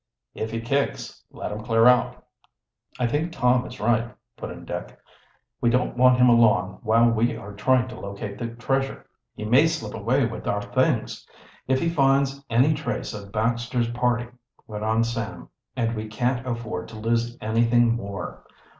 "If he kicks, let him clear out." "I think Tom is right," put in Dick. "We don't want him along while we are trying to locate the treasure." "He may slip away with our things if he finds any trace of Baxter's party," went on Sam. "And we can't afford to lose anything more.